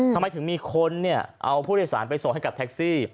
ทำไมถึงมีคนเอาผู้โดยสารไปส่งให้กับแท็กซี่